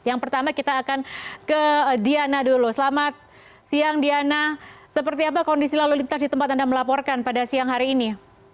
yang pertama kita akan ke diana dulu selamat siang diana seperti apa kondisi lalu lintas di tempat anda melaporkan pada siang hari ini